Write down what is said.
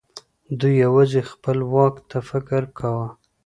دوی يوازې خپل واک ته فکر کاوه.